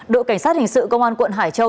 đội cảnh sát hình sự công an quận hải châu